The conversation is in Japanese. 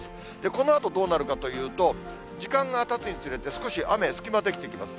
このあとどうなるかというと、時間がたつにつれて、少し雨、隙間出来てきます。